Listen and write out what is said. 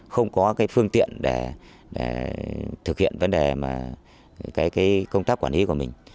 không có cái phương tiện để thực hiện vấn đề mà cái công tác quản lý của mình